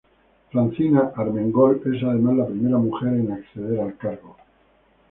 Francina Armengol es además la primera mujer en acceder al cargo.